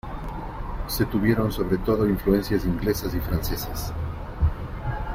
Se tuvieron sobre todo influencias inglesas y francesas.